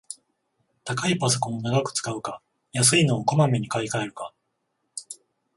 高いパソコンを長く使うか、安いのをこまめに買いかえるか